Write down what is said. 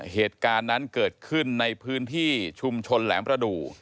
เหตุการณ์นั้นเกิดขึ้นในพื้นที่ชุมชนแหลมประดูก